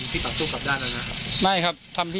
ที่ต้องตอนที่กลับบ้านแล้วนะ